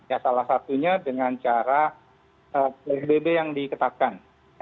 ya salah satunya dengan cara psbb yang diketatkan